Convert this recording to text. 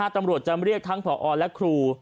ตำรวจจะเรียกทั้งผอและครู